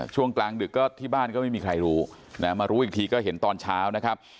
ช่วงกลางดึกก็ที่บ้านก็ไม่มีใครรู้นะมารู้อีกทีก็เห็นตอนเช้านะครับ